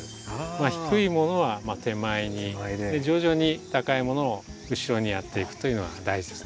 低いものは手前に徐々に高いものを後ろにやっていくというのが大事ですね。